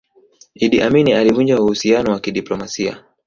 idi amini alivunja uhusiano wa kidiplomasia